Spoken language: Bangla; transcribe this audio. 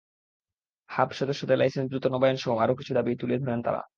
হাব সদস্যদের লাইসেন্স দ্রুত নবায়নসহ আরও কিছু দাবি তুলে ধরেন তাঁরা।